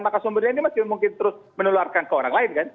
maka sumbernya ini masih mungkin terus menularkan ke orang lain kan